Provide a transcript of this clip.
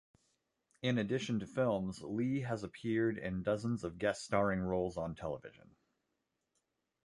In addition to films, Lee has appeared in dozens of guest-starring roles on television.